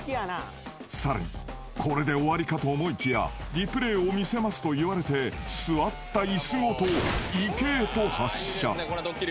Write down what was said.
［さらにこれで終わりかと思いきやリプレーを見せますと言われて座った椅子ごと池へと発射］